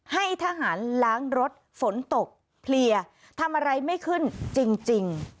ให้ทหารล้างรถฝนตกเพลียทำอะไรไม่ขึ้นจริง